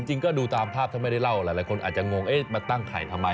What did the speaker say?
จริงก็ดูตามภาพถ้าไม่ได้เล่าหลายคนอาจจะงงมาตั้งไข่ทำไม